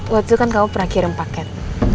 waktu itu kan kamu pernah kirim paket